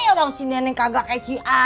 orang si neneng kagak kejian